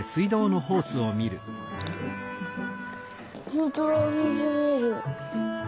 ほんとだみずみえる。